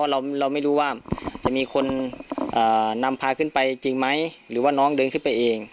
เราไม่รู้ว่าจะมีคนนำพาขึ้นไปจริงไหมหรือว่าน้องเดินขึ้นไปเอง